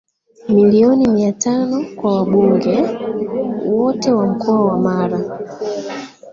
milioni mia tano kwa wabunge wote wa Mkoa wa Mara